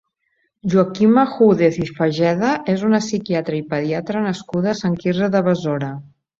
Joaquima Júdez i Fageda és una psiquiatra i pediatra nascuda a Sant Quirze de Besora.